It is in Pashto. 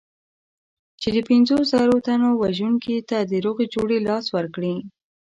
چې د پنځو زرو تنو وژونکي ته د روغې جوړې لاس ورکړي.